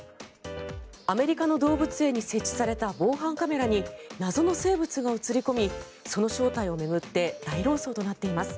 アメリカの動物園に設置された防犯カメラに謎の生物が映り込みその正体を巡って大論争となっています。